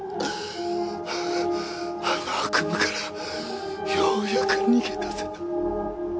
あの悪夢からようやく逃げ出せた。